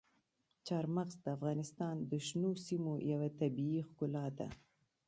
چار مغز د افغانستان د شنو سیمو یوه طبیعي ښکلا ده.